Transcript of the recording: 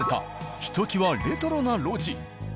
ひときわレトロな路地。